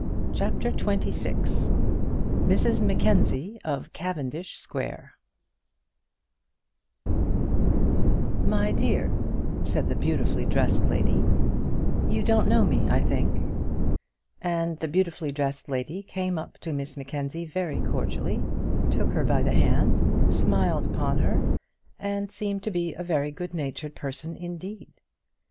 CHAPTER XXVI Mrs Mackenzie of Cavendish Square "My dear," said the beautifully dressed lady, "you don't know me, I think;" and the beautifully dressed lady came up to Miss Mackenzie very cordially, took her by the hand, smiled upon her, and seemed to be a very good natured person indeed.